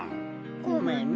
ごめんな。